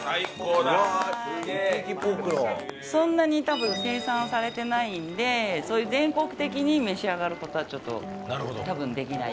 そんなに多分生産されてないのでそれで全国的に召し上がる事はちょっと多分できない。